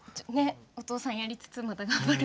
お父さんやりつつまた頑張る。